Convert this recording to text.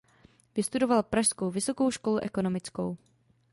Vystudoval pražskou Vysokou školu ekonomickou.